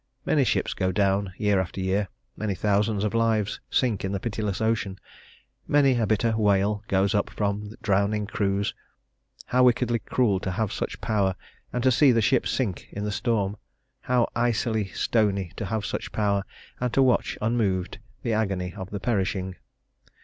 Many ships go down year after year; many thousands of lives sink in the pitiless ocean; many a bitter wail goes up from drowning crews; how wickedly cruel to have such power and to see the ship sink in the storm! how icily stony to have such power and to watch unmoved the agony of the perishing!